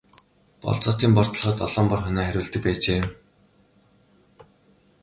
Болзоотын бор толгойд долоон бор хонио хариулдаг байжээ.